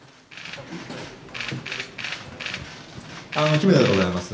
木目田でございます。